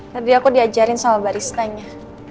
tadi aku diajarin sama baristanya